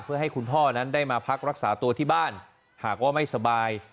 เพื่อให้คุณพ่อนั้นได้มาพักรักษาตัวที่บ้านหากว่าไม่สบาย